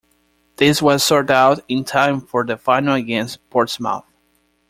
This was sorted out in time for the final against Portsmouth.